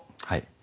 はい。